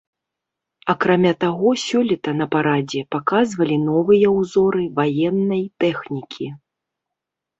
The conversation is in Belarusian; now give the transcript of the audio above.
Акрамя таго, сёлета на парадзе паказвалі новыя ўзоры ваеннай тэхнікі.